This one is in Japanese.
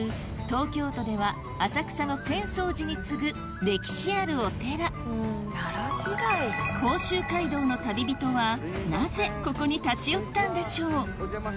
東京都では浅草の浅草寺に次ぐ歴史あるお寺甲州街道の旅人はなぜここに立ち寄ったんでしょう？